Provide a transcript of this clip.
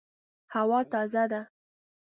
هوا تازه ده